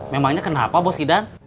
memangnya kenapa bos idan